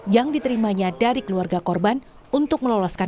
yang diterimanya dari keluarga korban untuk meloloskan